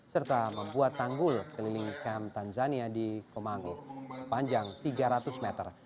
serta membuat tanggul keliling kamp tanzania di komangu sepanjang tiga ratus meter